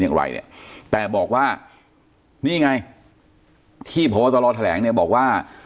อย่างไรเนี่ยแต่บอกว่านี่ไงที่พบตรแถลงเนี่ยบอกว่า